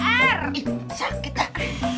eh sakit ah